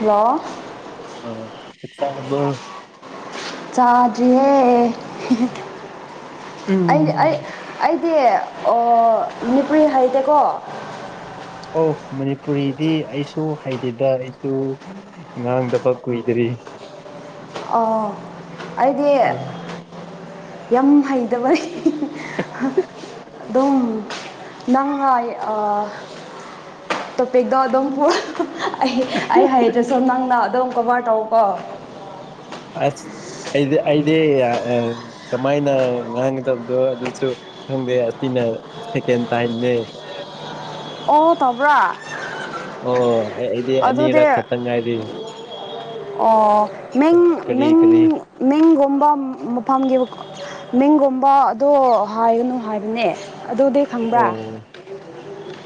hello ꯑꯥ ꯆꯥꯛ ꯆꯥꯔꯕ꯭ꯔꯣ ꯆꯥꯗ꯭ꯔꯤꯍꯦ ꯑꯩ ꯑꯩ ꯑꯩ ꯎꯝ ꯑꯗꯨꯗꯤ ꯑꯣ ꯃꯅꯤꯄꯨꯔꯤ ꯍꯩꯇꯦꯀꯣ ꯑꯣ ꯃꯅꯤꯄꯨꯔꯤꯗꯤ ꯑꯩꯁꯨ ꯍꯩꯇꯦꯗ ꯑꯩꯁꯨ ꯉꯥꯡꯗꯕ ꯀꯨꯏꯗ꯭ꯔꯤ ꯏꯁ ꯑꯣ ꯑꯩꯗꯤ ꯎꯝ ꯌꯥꯝ ꯍꯩꯇꯕꯒꯤ ꯗꯨꯝ ꯅꯪꯉ ꯑ ꯇꯣꯄꯤꯛꯇꯣ ꯑꯗꯨꯝ ꯄꯣꯔꯑꯣ ꯑꯩ ꯑꯩ ꯍꯩꯇ꯭ꯔꯁꯨ ꯅꯪꯅ ꯑꯗꯨꯝ ꯀꯣꯕꯥꯔ ꯇꯧꯀꯣ [inaudible] ꯑꯩꯗꯤ ꯑꯩꯗꯤ ꯑ ꯀꯃꯥꯏꯅ ꯉꯥꯡꯒꯗꯕꯗꯣ ꯑꯗꯨꯁꯨ ꯈꯪꯗꯦ ꯑꯁꯤꯅ ꯑ ꯁꯦꯀꯦꯟ ꯇꯥꯏꯝꯅꯦ ꯑꯣ ꯇꯧꯕ꯭ꯔꯥ ꯑꯣ ꯑꯩꯗꯤ ꯑꯗꯨꯗꯤ ꯑꯅꯤꯔꯛ ꯈꯛꯇꯪ ꯉꯥꯏꯔꯤ ꯑꯣ ꯃꯤꯡ ꯀꯔꯤ ꯃꯤꯡ ꯀꯔꯤ ꯃꯤꯡ ꯒꯣ ꯒꯨꯝꯕ ꯃꯐꯝꯒꯤ ꯃꯤꯡꯒꯨꯝꯕ ꯑꯗꯣ ꯍꯥꯏꯒꯅꯨ ꯍꯥꯏꯕꯅꯦ ꯑꯗꯨꯗꯤ ꯈꯪꯕ꯭ꯔꯥ ꯑꯣ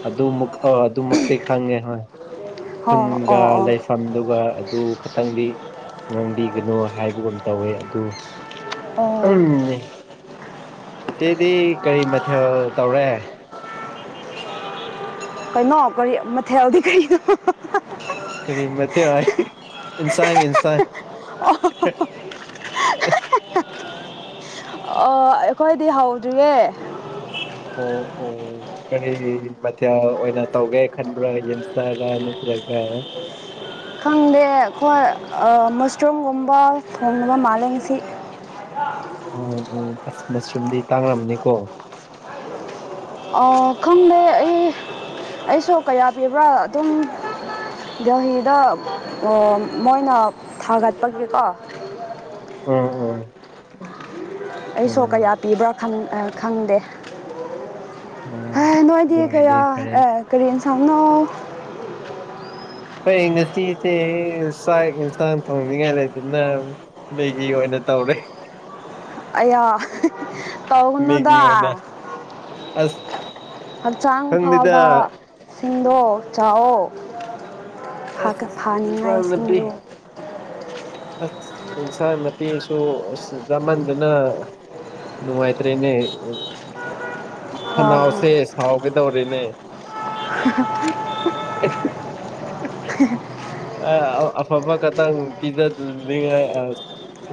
ꯑꯗꯨꯃꯨꯛ ꯑ ꯑꯗꯨꯃꯛꯇꯤ ꯈꯪꯉꯦ ꯍꯣꯏ ꯍꯣ ꯈꯨꯟꯒ ꯑꯣ ꯑꯣ ꯂꯩꯐꯝꯗꯨꯒ ꯑꯗꯨ ꯈꯛꯇꯪꯗꯤ ꯉꯥꯡꯕꯤꯒꯅꯨ ꯍꯥꯏꯕꯒꯨꯝ ꯇꯧꯋꯦ ꯑꯗꯨ ꯑꯣ ꯑꯥꯝ ꯆꯤꯆꯦꯗꯤ ꯀꯔꯤ ꯃꯊꯦꯜ ꯇꯧꯔꯦ ꯀꯩꯅꯣ ꯀꯔꯤ ꯃꯊꯦꯜꯗꯤ ꯀꯅꯣ ꯍ ꯍ ꯍ [inaudible] ꯀꯔꯤꯃꯊꯦꯜ ꯍꯥꯏꯗꯤ ꯏꯟꯁꯥꯡ ꯏꯟꯁꯥꯡ [unintelligible] ꯑꯣ ꯑꯩꯈꯣꯏꯗꯤ ꯍꯧꯗ꯭ꯔꯤꯌꯦ ꯑꯣ ꯑꯣ ꯑꯣ ꯀꯔꯤ ꯃꯊꯦꯜ ꯑꯣꯏꯅ ꯇꯧꯒꯦ ꯈꯟꯕ꯭ꯔꯥ ꯌꯦꯟꯁꯔꯥ ꯅꯠꯇ꯭ꯔꯒ ꯈꯪꯗꯦ ꯑꯩꯈꯣꯏ ꯑꯥ ꯃꯁꯔꯨꯝꯒꯨꯝꯕ ꯊꯣꯡꯂꯕ ꯃꯥꯂꯦ ꯉꯁꯤ [inaudible] [unintelligible] ꯑꯣ ꯑꯣ ꯑꯁ ꯃꯁꯔꯨꯝꯗꯤ ꯇꯥꯡꯔꯝꯅꯤꯀꯣ ꯑꯥ ꯈꯪꯗꯦ ꯑꯩ ꯑꯩꯁꯨ ꯀꯌꯥ ꯄꯤꯕ꯭ꯔꯥ ꯑꯗꯨꯝ [inaudible] ꯗꯦꯜꯂꯤꯗ ꯎꯝ ꯃꯣꯏꯅ ꯊꯥꯒꯠꯄꯒꯤꯀꯣ [inaudible] ꯎꯝ ꯎꯝ ꯑꯣ ꯑꯩꯁꯨ ꯀꯌꯥ ꯄꯤꯕ꯭ꯔꯥ ꯈꯪ ꯑꯥ ꯈꯪꯗꯦ [inaudible] ꯑꯣ ꯍꯥ ꯑꯗꯨ ꯅꯣꯏꯗꯤ ꯑꯣꯏꯔꯗꯤ ꯀꯌꯥ ꯐꯔꯦꯅꯦ ꯑꯥ ꯀꯔꯤ ꯏꯟꯁꯥꯡꯅꯣ ꯑꯩꯈꯣꯏ ꯉꯁꯤꯗꯤ ꯆꯥꯛ ꯑꯦꯟꯁꯥꯡ ꯊꯣꯡꯅꯤꯡꯉꯥꯏ ꯂꯩꯇꯗꯅ ꯃꯦꯒꯤ ꯑꯣꯏꯅ ꯅ ꯇꯧꯔꯦ ꯑꯩꯌꯥ ꯃꯦꯒꯤ ꯇꯧꯒꯅꯨꯗ ꯑꯣꯏꯅ ꯑꯁ ꯍꯛꯆꯥꯡ ꯈꯪꯗꯦꯗ ꯐꯕ ꯁꯤꯡꯗꯣ ꯆꯥꯑꯣ ꯐꯥꯒ ꯑꯁ ꯏꯟꯁꯥꯡ ꯅꯥꯄꯤ ꯐꯥꯅꯤꯡꯉꯥꯏꯁꯤꯡꯗꯨ ꯑꯁ ꯏꯟꯁꯥꯥꯡ ꯅꯥꯄꯤꯁꯨ ꯑꯁ ꯌꯥꯃꯟꯗꯅ ꯅꯨꯡꯉꯥꯏꯇ꯭ꯔꯦꯅꯦ ꯈꯅꯥꯎꯁꯦ ꯁꯥꯎꯒꯗꯧꯔꯦꯅꯦ [unintelligible] ꯑꯥ ꯑꯐꯕ ꯈꯇꯪ ꯄꯤꯖꯅꯤꯡꯉꯥꯢ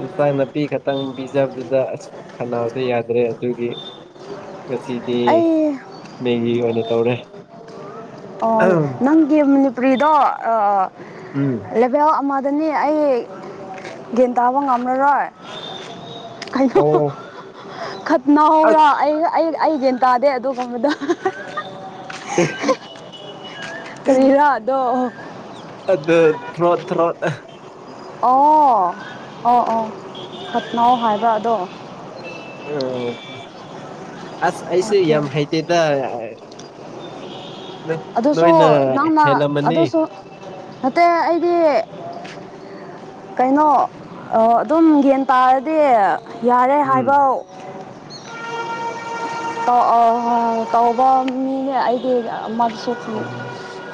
ꯏꯟꯁꯥꯡ ꯅꯥꯄꯤ ꯈꯛꯇꯪ ꯄꯤꯖꯕꯗꯨꯗ ꯑꯁ ꯈꯟꯅꯥꯎꯁꯦ ꯌꯥꯗ꯭ꯔꯦ ꯑꯗꯨꯒꯤ ꯉꯁꯤꯗꯤ ꯑꯩ ꯃꯦꯒꯤ ꯑꯣꯏꯅ ꯇꯧꯔꯦ ꯑꯍꯝ ꯅꯪꯒꯤ ꯃꯅꯤꯄꯨꯔꯤꯗꯣ ꯎꯝ ꯂꯕꯦꯜ ꯑꯃ ꯗꯅꯤ ꯑꯩ ꯒ꯭ꯌꯥꯟ ꯇꯥꯕ ꯉꯝꯂꯔꯣꯏ ꯀꯩꯅꯣ ꯑꯣ ꯈꯠꯅꯍꯧꯔꯥ ꯑꯁ ꯑꯩ ꯑꯩ ꯒ꯭ꯌꯥꯟ ꯇꯥꯗꯦ ꯑꯗꯨ ꯀꯝꯕꯗ [unintelligible] ꯑꯗꯨ ꯊꯔꯣꯠ ꯊꯔꯣꯠ ꯑꯣ ꯑꯣ ꯑꯣ ꯈꯠꯅꯥꯎ ꯍꯥꯏꯕ ꯑꯗꯣ ꯎꯝ ꯑꯁ ꯑꯩꯁꯦ ꯑꯣꯀꯦ ꯌꯥꯝ ꯍꯥꯏꯇꯦꯗ ꯑꯗꯨꯁꯨ ꯅꯣꯏꯅ ꯅꯪꯅ ꯍꯦꯜꯂꯝꯃꯅꯤ ꯑꯗꯨꯁꯨ ꯅꯠꯇꯦ ꯑꯩꯗꯤ ꯀꯩꯅꯣ ꯑꯗꯨꯝ ꯒ꯭ꯌꯥꯟ ꯇꯥꯔꯗꯤ ꯌꯥꯔꯦ ꯎꯝ ꯍꯥꯏꯕꯥꯎ ꯇꯧ ꯑꯧ ꯑ ꯇꯧꯕ ꯃꯤꯅꯦ ꯑꯩꯗꯤ [inaudible] ꯁꯨꯈꯤ ꯑꯣ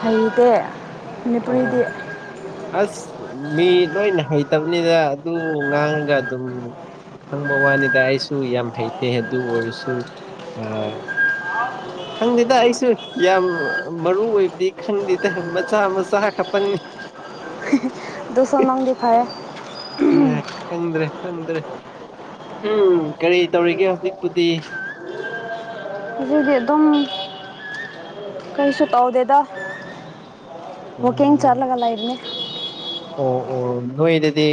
ꯍꯩꯗꯦ [inaudible] ꯑꯣ ꯑꯁ ꯃꯤ ꯂꯣꯏꯅ ꯍꯩꯇꯕꯅꯤꯗ ꯑꯗꯨꯝ ꯉꯥꯡꯉꯒ ꯑꯗꯨꯝ ꯈꯪꯕ ꯋꯥꯅꯤꯗ ꯑꯩꯁꯨ ꯌꯥꯝ ꯍꯩꯇꯦ ꯑꯗꯨ ꯑꯣꯏꯔꯁꯨ ꯑꯥ ꯈꯪꯗꯦꯗ ꯑꯩꯁꯨ ꯌꯥꯝ ꯃꯔꯨ ꯑꯣꯏꯕꯗꯤ ꯈꯪꯗꯦꯗ ꯃꯆꯥ ꯃꯆꯥ ꯈꯛꯇꯪꯅꯤ ꯑꯗꯨꯁꯨ ꯅꯪꯗꯤ ꯐꯩꯌꯦ ꯑꯥ ꯈꯡꯗ꯭ꯔꯦ ꯈꯡꯗ꯭ꯔꯦ ꯎꯝ ꯀꯔꯤ ꯇꯧꯔꯤꯒꯦ ꯍꯧꯖꯤꯛꯄꯨꯗꯤ ꯑꯁꯤꯗꯤ ꯑꯗꯨꯝ ꯀꯔꯤꯁꯨ ꯇꯧꯗꯦꯗ ꯋꯥꯀꯤꯡ ꯎꯝ ꯆꯠꯂꯒ ꯂꯩꯕꯅꯦ ꯑꯣ ꯑꯣ ꯅꯣꯏꯗꯗꯤ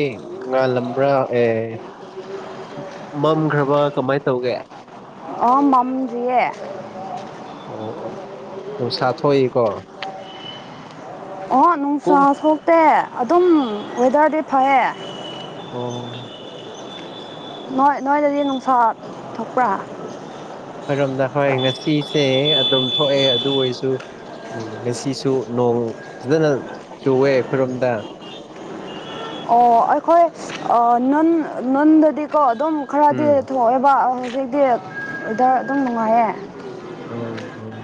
ꯉꯥꯜꯂꯝꯕ꯭ꯔꯥ ꯑꯦ ꯃꯝꯈ꯭ꯔꯕ ꯀꯃꯥꯏ ꯇꯧꯒꯦ ꯑꯥ ꯃꯝꯗ꯭ꯔꯤꯌꯦ ꯑꯣ ꯑꯣ ꯅꯨꯡꯁꯥ ꯊꯣꯛꯏꯀꯣ ꯑꯣ ꯅꯨꯡꯁꯥ ꯀꯨꯝ ꯊꯣꯛꯇꯦ ꯑꯗꯨꯝ ꯋꯦꯗꯔꯗꯤ ꯐꯌꯦ ꯑꯣ ꯅꯣꯏ ꯅꯣꯏꯗꯗꯤ ꯅꯨꯡꯁꯥ ꯊꯣꯛꯄ꯭ꯔꯥ ꯑꯈꯣꯏꯔꯣꯝꯗ ꯍꯣꯏ ꯉꯁꯤꯁꯦ ꯑꯗꯨꯝ ꯊꯣꯛꯑꯦ ꯑꯗꯨ ꯑꯣꯏꯁꯨ ꯎꯝ ꯉꯁꯤꯁꯨ ꯅꯣꯡ ꯐꯖꯅ ꯆꯨꯋꯦ ꯑꯈꯣꯏꯔꯣꯝꯗ ꯑꯣ ꯑꯩꯈꯣꯏ ꯑ ꯅꯟ ꯅꯟꯗꯗꯤꯀꯣ ꯑꯗꯨꯝ ꯈꯔꯗꯤ ꯎꯝ ꯊꯣꯛꯑꯦꯕ ꯍꯧꯖꯤꯛꯇꯤ ꯋꯦꯗꯔ ꯑꯗꯨꯝ ꯅꯨꯡꯉꯥꯏꯌꯦ ꯑꯧ ꯑꯧ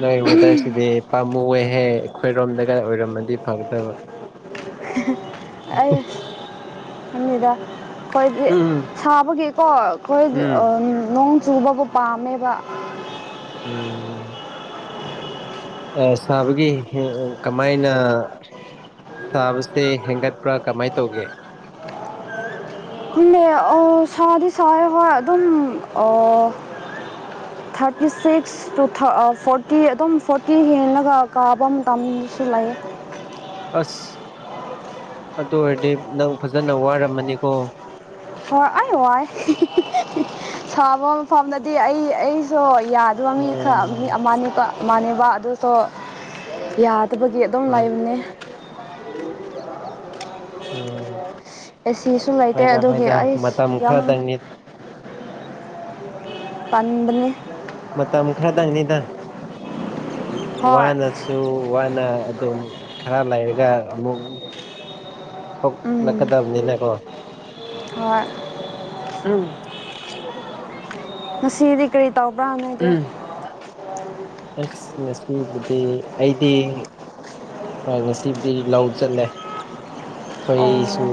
ꯅꯣꯏ ꯋꯦꯗꯔꯁꯤꯗꯤ ꯄꯥꯝꯃꯨꯋꯦ ꯍꯦ ꯑꯩꯈꯣꯏꯔꯣꯝꯗꯒ ꯑꯣꯏꯔꯝꯃꯗꯤ ꯐꯒꯗꯕ ꯑꯩ ꯈꯪꯗꯦꯗ ꯑꯈꯣꯏꯗꯤ ꯎꯝ ꯁꯥꯕꯒꯤꯀꯣ ꯑꯩꯈꯣꯏ ꯎꯝ ꯑꯝ ꯅꯣꯡ ꯆꯨꯕꯕꯨ ꯄꯥꯝꯃꯦꯕ ꯎꯝ ꯑꯦ ꯁꯥꯕꯒꯤ ꯀꯃꯥꯏꯅ ꯁꯥꯕꯁꯦ ꯍꯦꯟꯒꯠꯄ꯭ꯔꯥ ꯀꯃꯥꯏ ꯇꯧꯒꯦ [inaudible] ꯈꯨꯝꯃꯦ ꯑ ꯁꯥꯗꯤ ꯁꯥꯌꯦ ꯍꯣꯢ ꯑꯗꯨꯝ ꯑꯣ ꯊꯥꯔꯇꯤ ꯁꯤꯛꯁ ꯇꯨ ꯊ ꯑ ꯐꯣꯔꯇꯤ ꯑꯗꯨꯝ ꯐꯣꯔꯇꯤ ꯍꯦꯜꯂꯒ ꯀꯥꯕ ꯃꯇꯝꯁꯨ ꯂꯩꯌꯦ [inaudible] ꯑꯁ ꯑꯗꯨ ꯑꯣꯏꯔꯗꯤ ꯅꯪ ꯐꯖꯅ ꯋꯥꯔꯝꯃꯅꯤꯀꯣ ꯍꯣꯏ ꯑꯩ ꯋꯥꯏ ꯁꯥꯕ ꯃꯐꯝꯗꯗꯤ ꯑꯩ ꯑꯩꯁꯣ ꯌꯥꯗꯕ ꯃꯤ ꯈ ꯃꯤ ꯑꯥ ꯑꯃꯅꯤꯕ ꯃꯥꯅꯦꯕ ꯑꯗꯨꯁꯨ ꯌꯥ ꯐꯠꯇꯕꯒꯤ ꯑꯗꯨꯝ ꯑꯥ ꯂꯥꯢꯕꯅꯦ ꯎꯝ ꯑꯦ ꯁꯤꯁꯨ ꯂꯩꯇꯦ ꯍꯣꯏꯗ ꯑꯗꯨꯒꯤ ꯍꯣꯏꯗ ꯑꯩꯁ ꯃꯇꯝ ꯌꯥꯝ ꯈꯔꯗꯪꯅꯤ ꯇꯟꯕꯅꯦ ꯃꯇꯝ ꯈꯔꯗꯪꯅꯤꯗ [inaudible] ꯋꯥꯅꯁꯨ ꯋꯥꯅ ꯑꯗꯨꯝ ꯈꯔ ꯂꯩꯔꯒ ꯑꯃꯨꯛ ꯎꯝ ꯊꯣꯛꯂꯛꯀꯗꯕꯅꯤꯅꯀꯣ ꯍꯣꯏ ꯎꯝ ꯉꯁꯤꯗꯤ ꯀꯔꯤ ꯐꯥꯎꯅꯗꯦ ꯎꯝ ꯑꯁ ꯉꯁꯤꯕꯨꯗꯤ ꯑꯩꯗꯤ ꯑ ꯉꯁꯤ ꯗꯤ ꯂꯧ ꯆꯠꯂꯦ ꯑꯣ ꯑꯈꯣꯏꯁꯨ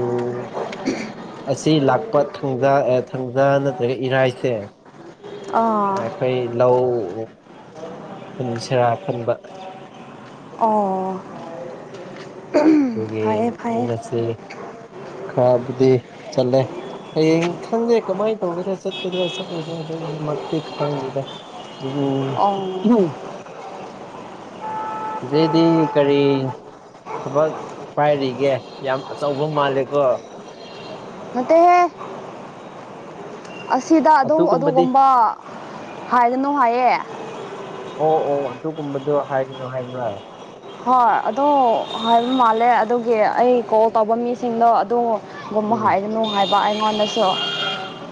ꯑꯁꯤ ꯂꯥꯛꯄ ꯊꯪꯖ ꯑꯦ ꯊꯪꯖ ꯅꯠꯇ꯭ꯔꯒ ꯏꯔꯥꯏꯁꯦ ꯑꯥ ꯑꯩꯈꯣꯏ ꯂꯧ ꯎꯟꯁꯦꯔꯥ ꯈꯟꯕ ꯑꯣ ꯑꯗꯨꯒꯤ ꯐꯩꯌꯦ ꯐꯩꯌꯦ ꯉꯁꯤ ꯈꯔꯕꯨꯗꯤ ꯆꯠꯂꯦ ꯍꯌꯦꯡ ꯈꯪꯗꯦ ꯀꯃꯥꯏ ꯇꯧꯒꯦꯔꯥ ꯆꯠꯀꯗ꯭ꯔꯥ ꯆꯠꯂꯣꯏꯗ꯭ꯔꯣ ꯑꯗꯨꯃꯛꯇꯤ ꯈꯪꯗꯦꯗ ꯑꯣ [unintelligible] ꯁꯤꯗꯩꯗꯤ ꯀꯔꯤ ꯊꯕꯛ ꯄꯥꯏꯔꯤꯒꯦ ꯌꯥꯝ ꯑꯆꯧꯕ ꯃꯥꯜꯂꯦꯀꯣ ꯅꯠꯇꯦꯍꯦ ꯑꯁꯤꯗ ꯑꯗꯨꯝ ꯑꯗꯨꯒꯨꯝꯕꯗꯤ ꯑꯗꯨꯒꯨꯝꯕ ꯍꯥꯏꯒꯅꯨ ꯍꯥꯏꯌꯦ ꯑꯣ ꯑꯣ ꯑꯗꯨꯒꯨꯝꯕꯗꯣ ꯍꯥꯏꯒꯅꯨ ꯍꯥꯏꯕ꯭ꯔꯥ ꯍꯣꯏ ꯑꯣ ꯍꯥꯏꯕ ꯃꯥꯜꯂꯦ ꯑꯗꯨꯒꯤ ꯑꯩ ꯀꯣꯜ ꯇꯧꯕ ꯃꯤꯁꯤꯡꯗꯣ ꯑꯗꯨ ꯒꯨꯝꯕ ꯎꯝ ꯍꯥꯏꯗ ꯅꯨꯡꯉꯥꯏꯕ ꯑꯩꯉꯣꯟꯗꯁꯨ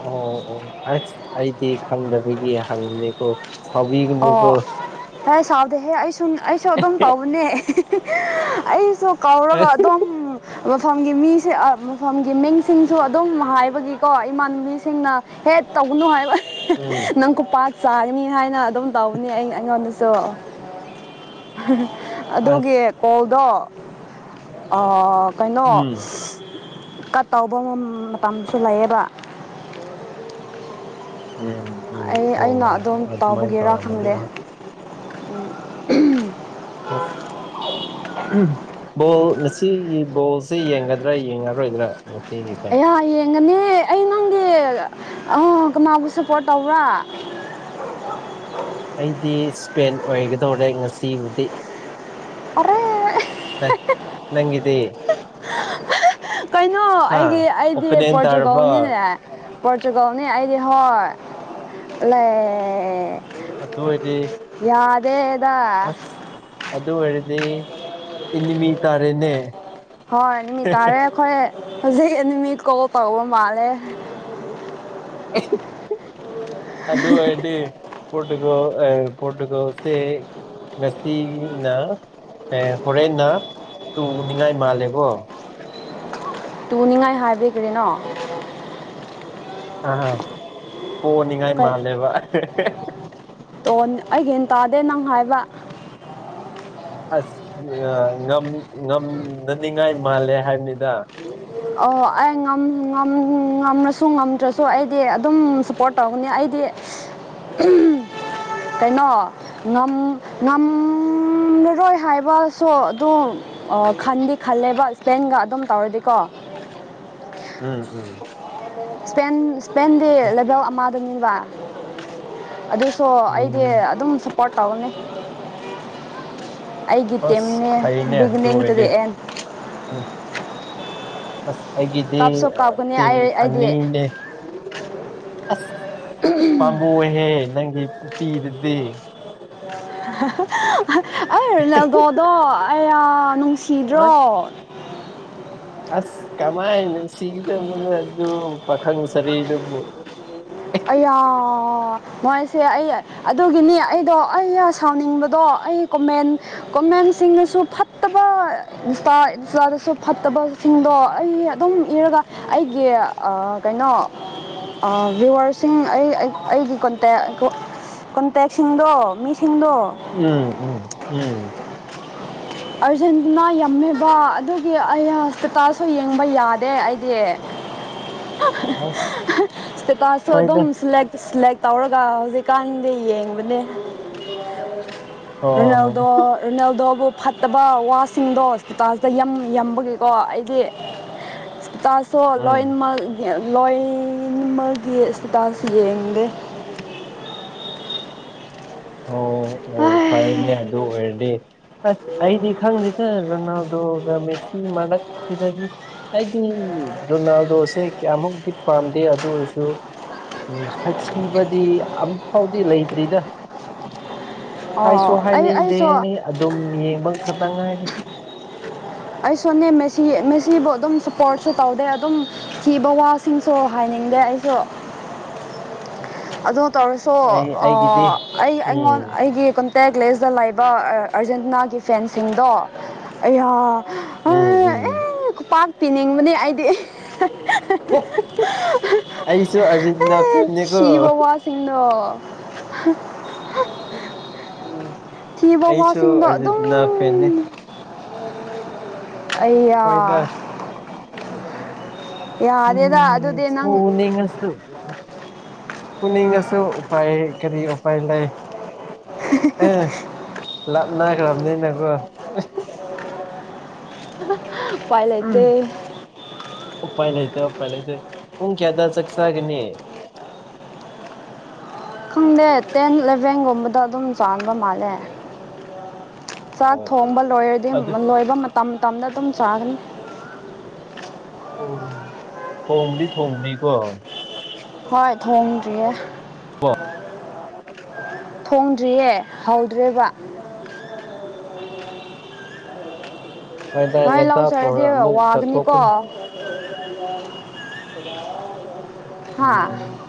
ꯑꯣ ꯑꯣ ꯑꯁ ꯑꯩꯗꯤ ꯈꯪꯗꯕꯒꯤ ꯍꯪꯕꯅꯤꯀꯣ ꯑꯣ ꯍꯦ ꯁꯥꯎꯗꯦꯍꯦ ꯑꯩꯁꯨ ꯑꯩꯁꯨ ꯑꯗꯨꯝ ꯇꯧꯕꯅꯦ ꯑꯩꯁꯨ ꯀꯧꯔꯒ ꯑꯗꯨꯝ ꯃꯐꯝꯒꯤ ꯃꯤꯁꯦ ꯃꯐꯝꯒꯤ ꯃꯤꯡꯁꯤꯡꯁꯨ ꯑꯗꯨꯝ ꯍꯥꯏꯕꯒꯤꯀꯣ ꯏꯃꯥꯟꯅꯕꯤꯁꯤꯡꯅ ꯍꯦꯛ ꯇꯧꯕꯅꯨ ꯍꯥꯏꯕ ꯎꯝ ꯅꯪ ꯈꯨꯄꯥꯛ ꯆꯥꯒꯅꯤ ꯍꯥꯏꯅ ꯑꯗꯨꯝ ꯇꯧꯕꯅꯤ ꯑꯩ ꯑꯩꯉꯣꯟꯗꯁꯨ ꯑꯁ ꯑꯗꯨꯒꯤ ꯀꯣꯜꯗꯣ ꯑ ꯀꯩꯅꯣ ꯎꯝ ꯀꯠ ꯇꯧꯕ ꯃꯇꯝꯁꯨ ꯂꯩꯌꯦꯕ ꯎꯝ ꯎꯝ ꯑꯩ ꯑꯣ ꯑꯩꯅ ꯑꯗꯣꯝ ꯑꯗꯨꯃꯥꯏꯅ ꯇꯥꯎꯕꯒꯤꯔꯥ ꯇꯧꯔꯝꯃꯗꯤ ꯈꯪꯗꯦ ꯑꯥ ꯑꯣ ꯕꯣꯜ ꯉꯁꯤꯒꯤ ꯕꯣꯜꯁꯦ ꯌꯦꯡꯒꯗ꯭ꯔꯥ ꯌꯦꯡꯉꯔꯣꯏꯗ꯭ꯔꯥ ꯉꯁꯤꯒꯤꯁꯦ ꯑꯌꯥ ꯌꯦꯡꯒꯅꯤ ꯑꯩ ꯅꯪꯒꯤ ꯀꯅꯒꯤ ꯁꯄꯣꯔꯠ ꯇꯧꯕ꯭ꯔꯥ ꯑꯩꯗꯤ ꯏꯁꯄꯦꯟ ꯑꯣꯏꯒꯗꯧꯔꯦ ꯉꯁꯤꯕꯨꯗꯤ ꯑꯔꯦ ꯑ ꯅꯪꯒꯤꯗꯤ ꯀꯩꯅꯣ ꯍꯥ ꯑꯩꯒꯤ ꯑꯩꯗꯤ ꯑꯣꯄꯅꯦꯟ ꯇꯥꯔꯕ ꯄꯣꯔꯇꯨꯒꯜꯅꯤꯅꯦ ꯄꯔꯇꯨꯒꯜꯅꯤ ꯑꯩꯗꯤ ꯍꯣꯏ ꯑꯗꯨ ꯑꯣꯏꯗꯤ ꯑꯗꯦ ꯑꯁ ꯑꯗꯨꯑꯣꯏꯔꯗꯤ ꯏꯅꯤꯃꯤ ꯇꯥꯔꯦꯅꯦ ꯍꯣꯏ ꯅꯨꯃꯤꯠ ꯇꯥꯔꯦ ꯑꯩꯈꯣꯏ ꯍꯧꯖꯤꯛ ꯑꯦꯅꯤꯃꯤ ꯀꯣꯜ ꯇꯧꯕ ꯃꯥꯜꯂꯦ ꯑꯗꯨ ꯑꯣꯏꯗꯤ ꯄꯣꯔꯇꯨꯒꯜꯁꯦ ꯉꯁꯤꯅ ꯑꯦ ꯍꯣꯔꯦꯟꯅ ꯇꯨꯅꯤꯡꯉꯥꯏ ꯃꯥꯜꯂꯦꯀꯣ ꯇꯨꯅꯤꯡꯉꯥꯏ ꯍꯥꯏꯕꯤꯗꯤ ꯀꯔꯤꯅꯣ ꯑꯥ ꯄꯣꯅꯤꯡꯉꯥꯏ ꯀꯩ ꯃꯥꯜꯂꯦꯕ ꯇꯣꯟ ꯑꯩ ꯒꯤꯌꯥꯟ ꯇꯥꯗꯦ ꯅꯪ ꯍꯥꯏꯕ ꯑꯁ ꯉꯝꯅꯅꯤꯡꯉꯥꯏ ꯃꯥꯜꯂꯦ ꯍꯥꯏꯕꯅꯤꯗ ꯑꯣ ꯑꯩ ꯉꯝꯃꯁꯨ ꯉꯝꯗ꯭ꯔꯁꯨ ꯑꯩꯗꯤ ꯑꯗꯨꯝ ꯁꯞꯄꯣꯔꯠ ꯇꯧꯒꯅꯤ ꯑꯩꯗꯤ ꯗꯤ [unintelligible] ꯀꯩꯅꯣ ꯉꯝꯂꯔꯣꯏ ꯍꯥꯏꯕꯁꯨ ꯑꯗꯨꯝ ꯈꯟꯗꯤ ꯈꯜꯂꯦꯕ ꯏꯁꯄꯦꯟꯒ ꯑꯗꯨꯝ ꯇꯧꯔꯗꯤꯀꯣ ꯎꯝ ꯎꯝ ꯏꯁꯄꯦꯟ ꯏꯁꯄꯦꯟꯗꯤ ꯑꯁ ꯂꯩꯕꯦꯜ ꯑꯃꯗꯅꯦꯕ ꯑꯗꯨ ꯁꯣ ꯎꯝ ꯑꯩꯗꯤ ꯑꯗꯨꯝ ꯁꯞꯄꯣꯔꯠ ꯇꯧꯒꯅꯤ ꯑꯩꯒꯤ ꯇꯤꯝꯅꯦ ꯑꯁ ꯐꯩꯅꯦ ꯑꯗꯨ ꯕꯤꯒꯤꯅꯤꯡ ꯑꯣꯏꯔꯗꯤ ꯇꯨꯗꯤꯑꯦꯟ ꯎꯝ ꯑꯁ ꯑꯩꯒꯤꯗꯤ ꯀꯞꯀꯅꯤ ꯇꯤꯝ ꯑꯩ ꯑꯩꯗꯤ ꯑꯅꯤꯅꯦ ꯑꯁ ꯄꯥꯝꯕꯣ ꯑꯣꯏꯍꯦ ꯅꯪꯒꯤ ꯄꯨꯄꯤꯗꯨꯗꯤ [unintelligible] ꯒꯣꯗꯣ ꯑꯌꯥ ꯑ ꯅꯨꯡꯁꯤꯗ꯭ꯔꯣ ꯑꯁ ꯀꯃꯥꯏꯅ ꯁꯤꯗꯅ ꯑꯗꯨ ꯄꯥꯈꯪ ꯁꯥꯔꯩꯗꯨꯕꯨ ꯑꯌꯥ ꯃꯣꯏꯁꯦ ꯑꯩ ꯑꯗꯨꯒꯤꯅꯤ ꯑꯩꯗꯣ ꯑꯩꯩꯌꯥ ꯁꯥꯎꯅꯤꯡꯕꯗꯣ ꯑꯩ ꯀꯣꯃꯦꯟ ꯀꯣꯃꯦꯟ ꯑꯩꯁꯤꯡꯅꯁꯨ ꯐꯠꯇꯕ ꯏꯟꯁꯇꯥ ꯏꯟꯁꯇꯥꯗꯁꯨ ꯐꯠꯇꯕꯁꯤꯡꯗꯣ ꯑꯩ ꯑꯗꯨꯝ ꯏꯔꯒ ꯑꯩꯒꯤ ꯑꯥ ꯀꯩꯅꯣ ꯑꯥ ꯚꯤꯌ꯭ꯋꯔꯁꯤꯡ ꯑꯩ ꯑꯩꯒꯤ ꯀꯣꯟꯇꯦꯛ ꯀꯣꯟꯇꯦꯛꯁꯤꯡꯗꯣ ꯃꯤ ꯎꯝ ꯎꯝ ꯎꯝ ꯑꯥꯔꯖꯦꯟꯇꯤꯅꯥ ꯌꯥꯝꯃꯦꯕ ꯑꯗꯨꯒꯤ ꯑꯌꯥ ꯁꯄꯤꯇꯥꯜꯁꯨ ꯌꯦꯡꯕ ꯌꯥꯗꯦ ꯑꯩꯗꯤ ꯑꯁ ꯁꯄꯤꯇꯥꯜꯁꯨ ꯑꯗꯨꯝ ꯍꯣꯏꯗ ꯁꯦꯂꯦꯛ ꯁꯦꯂꯦꯛ ꯇꯧꯔꯒ ꯍꯧꯖꯤꯛꯀꯥꯟꯗꯤ ꯌꯦꯡꯕꯅꯦ ꯑꯣ ꯔꯣꯅꯦꯜꯗꯣ ꯔꯣꯅꯦꯜꯗꯣꯕꯨ ꯐꯠꯇꯕ ꯋꯥꯁꯤꯡꯗꯣ ꯁꯄꯤꯇꯥꯜꯁꯇ ꯌꯥꯝ ꯌꯥꯝꯕꯒꯤꯀꯣ ꯑꯩꯗꯤ ꯁꯄꯤꯇꯥꯜ ꯁꯣ ꯎꯝ ꯂꯣꯏꯅꯃꯛ ꯂꯣꯏꯃꯒꯤ ꯁꯄꯤꯇꯥꯜꯁ ꯌꯦꯡꯗꯦ [unintelligible] ꯑꯣ ꯑꯣ ꯐꯔꯅꯦ ꯑꯗꯨ ꯑꯣꯏꯔꯗꯤ ꯑꯁ ꯑꯩꯗꯤ ꯈꯪꯗꯦꯗ ꯔꯣꯅꯥꯜꯗꯣꯒ ꯃꯦꯁꯤ ꯃꯔꯛꯇꯗꯤ ꯑꯩꯗꯤ ꯔꯣꯅꯥꯜꯗꯣꯁꯦ ꯀꯌꯥꯃꯨꯛꯇꯤ ꯄꯥꯝꯗꯦ ꯑꯗꯨ ꯑꯣꯏꯔꯁꯨ ꯎꯝ ꯍꯥꯏꯊꯤꯕꯗꯤ ꯑꯃꯨꯛ ꯐꯥꯎꯗꯤ ꯂꯩꯇ꯭ꯔꯤꯗ ꯍꯥꯏꯁꯨ ꯑꯣ ꯑꯩ ꯑꯩꯁꯨ ꯍꯥꯏꯅꯤꯡꯗꯦꯅꯤ ꯑꯗꯨꯝ ꯌꯦꯡꯕ ꯈꯛꯇꯪ ꯉꯥꯏꯔꯦ ꯑꯩ ꯁꯨꯅꯦ ꯃꯦꯁꯤ ꯃꯦꯁꯤꯕꯨ ꯑꯗꯨꯝ ꯁꯄꯣꯔꯠꯁꯨ ꯇꯧꯗꯦ ꯑꯗꯨꯝ ꯊꯤꯕ ꯋꯥꯁꯤꯡꯁꯨ ꯍꯥꯏ ꯅꯤꯡꯗꯦ ꯑꯩꯁꯨ ꯑꯗꯣ ꯇꯧꯔꯁꯨ ꯑꯩ ꯑꯩꯒꯤꯗꯤ ꯑꯥ ꯑꯩ ꯑꯩꯉꯣꯟ ꯎꯝ ꯑꯩꯒꯤ ꯀꯟ ꯇꯦꯛ ꯂꯦꯁꯇ ꯂꯩꯕ ꯑꯥꯔꯖꯦꯟꯇꯤꯅꯥꯒꯤ ꯐꯦꯟꯁꯤꯡꯗꯣ ꯑꯩꯌꯥ ꯎꯝ ꯎꯝ ꯄꯥꯛꯄꯤꯅꯤꯡꯕꯅꯤ ꯑꯩꯗꯤ ꯑꯩꯁꯨ ꯑꯥꯔꯖꯦꯟꯇꯤꯅꯥ ꯑꯦ ꯐꯦꯟꯅꯤꯀꯣ ꯊꯤꯕ ꯋꯥꯁꯤꯡꯗꯣ [inaudible] ꯎꯝ ꯊꯤꯕ ꯑꯩꯁꯨ ꯋꯥꯁꯤꯡꯗꯣ ꯑꯗꯨꯝ ꯑꯥꯔꯖꯦꯟꯇꯤꯅꯥ ꯐꯦꯟꯅꯦ ꯑꯩꯌꯥ ꯍꯣꯏꯗ ꯌꯥꯗꯦꯗ ꯎꯝ ꯑꯗꯨꯗꯤ ꯅꯪ ꯐꯨꯅꯤꯡꯉꯁꯨ ꯐꯨꯅꯤꯡꯉꯁꯨ ꯎꯄꯥꯏ ꯀꯔꯤ ꯎꯄꯥꯏ ꯂꯩ ꯑꯦ ꯂꯥꯞꯅꯒꯔꯕꯅꯤꯅꯥꯀꯣ ꯎꯄꯥꯏ ꯎꯝ ꯂꯩꯇꯦ ꯎꯄꯥꯏ ꯂꯩꯇꯦ ꯎꯄꯥꯏ ꯂꯩꯇꯦ ꯄꯨꯡ ꯀꯌꯥꯗ ꯆꯥꯛ ꯆꯥꯒꯅꯤ ꯈꯪꯗꯦ ꯇꯦꯟ ꯏꯂꯚꯦꯟꯒꯨꯝꯕꯗ ꯑꯗꯨꯝ ꯆꯥꯟꯕ ꯃꯥꯜꯂꯦ ꯆꯥꯛ ꯑꯣ ꯑꯣ ꯊꯣꯡꯕ ꯂꯣꯏꯔꯗꯤ ꯑꯗꯨ ꯂꯣꯏꯕ ꯃꯇꯝ ꯃꯇꯝꯗ ꯑꯗꯨꯝ ꯆꯥꯒꯅꯤ ꯑꯣ ꯊꯣꯡꯕꯗꯤ ꯊꯣꯡꯗ꯭ꯔꯤꯀꯣ ꯍꯣꯏ ꯊꯣꯡꯗ꯭ꯔꯤꯌꯦ ꯀꯣ ꯊꯣꯡꯗ꯭ꯔꯤꯌꯦ ꯍꯧꯗ꯭ꯔꯤꯕ ꯍꯣꯏꯗ ꯃꯥꯏ ꯉꯟꯇꯥ ꯂꯥꯎꯖꯔꯗꯤ ꯊꯣꯡꯉ ꯑꯃꯨꯛ ꯋꯥꯒꯅꯤꯀꯣ ꯆꯠꯊꯣꯛꯄꯅꯤ ꯍꯥ ꯎꯝ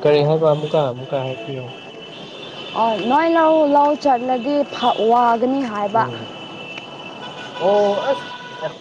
ꯀꯔꯤ ꯍꯥꯏꯕ ꯑꯃꯨꯛꯀ ꯑꯃꯨꯛꯀ ꯍꯥꯏꯕꯤꯔꯛꯎ ꯑꯣ ꯅꯣꯏ ꯂꯧ ꯂꯧ ꯆꯠꯂꯗꯤ ꯐ ꯋꯥ ꯎꯝ ꯑꯣ ꯑꯁ